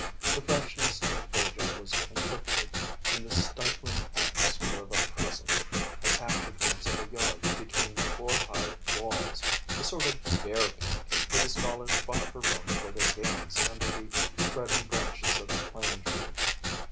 The freshness of Virgil was interpreted in the stifling atmosphere of a prison. I catch a glimpse of a yard between four high walls, a sort of bear pit, where the scholars fought for room for their games under the spreading branches of a plane tree.